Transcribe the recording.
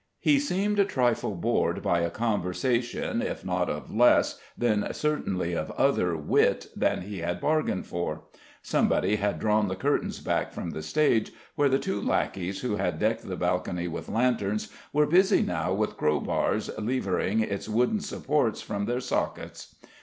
He seemed a trifle bored by a conversation if not of less, then certainly of other, wit than he had bargained for. Somebody had drawn the curtains back from the stage, where the two lackeys who had decked the balcony with lanterns were busy now with crowbars, levering its wooden supports from their sockets.